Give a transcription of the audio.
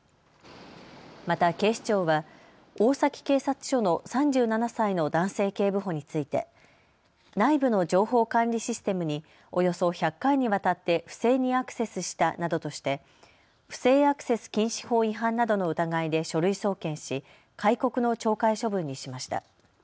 また警視庁は大崎警察署の３７歳の男性警部補について内部の情報管理システムにおよそ１００回にわたって不正にアクセスしたなどとして不正アクセス禁止法違反などの疑いで書類送検し戒告の懲戒処分にしました。